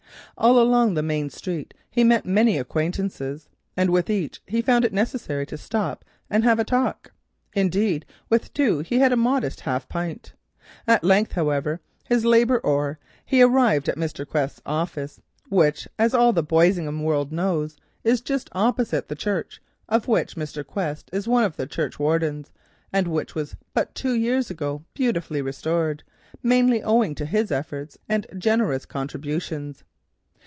All along the main street he met many acquaintances, and with each he found it necessary to stop and have a talk, indeed with two he had a modest half pint. At length, however, his labour o'er, he arrived at Mr. Quest's office, that, as all the Boisingham world knows, was just opposite the church, of which Mr. Quest was one of the churchwardens, and which but two years before was beautifully restored, mainly owing to his efforts and generous contributions.